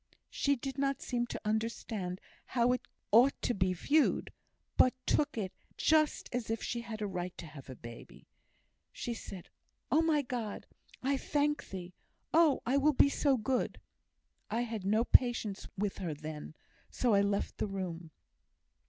She did not seem to understand how it ought to be viewed, but took it just as if she had a right to have a baby. She said, 'Oh, my God, I thank Thee! Oh! I will be so good!' I had no patience with her then, so I left the room."